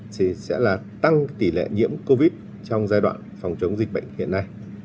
thì sẽ là tăng tỷ lệ nhiễm covid trong giai đoạn phòng chống dịch bệnh hiện nay